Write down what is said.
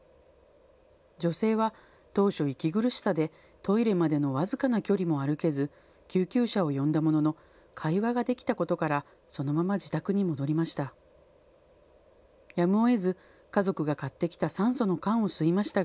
女性は当初、息苦しさでトイレまでの僅かな距離も歩けず救急車を呼んだものの会話ができたことからそのまま自宅に戻りました。